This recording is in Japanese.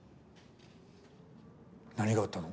何があったの？